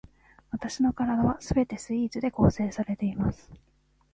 わたしの身体は全てスイーツで構成されています